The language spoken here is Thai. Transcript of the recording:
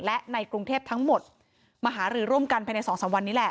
และในกรุงเทพทั้งหมดมาหารือร่วมกันภายใน๒๓วันนี้แหละ